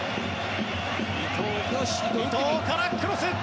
伊藤からクロス！